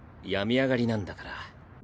病み上がりなんだから。